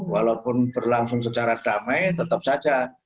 walaupun berlangsung secara damai tetap saja